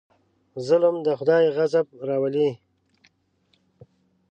ظلم د خدای غضب راولي.